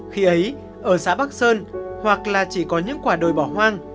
khi ấy ở xã bắc sơn hoặc là chỉ có những quả đồi bỏ hoang